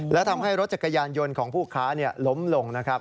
และทำให้รถจักรยานยนต์ของผู้ค้าล้มลงนะครับ